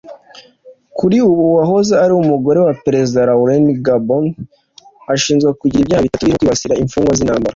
Kuri ubu uwahoze ari umugore wa Perezida Laurent Gbagbo ashinjwa kugira ibyaha bitatu birimo kwibasira imfugwa z’intambara